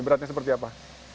beratnya seperti apa